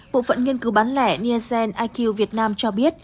bộ phận nghiên cứu bán lẻ nielsen iq việt nam cho biết